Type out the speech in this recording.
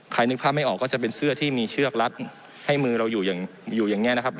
ใครนึกภาพไม่ออกก็จะเป็นเสื้อที่มีเชือกลัดให้มือเราอยู่อย่างอยู่อย่างแง่นะครับ